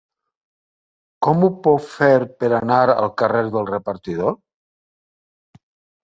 Com ho puc fer per anar al carrer del Repartidor?